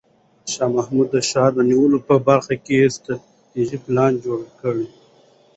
شاه محمود د ښار د نیولو په برخه کې ستراتیژیک پلان جوړ کړ.